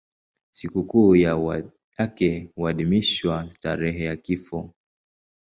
Sikukuu yake huadhimishwa tarehe ya kifo.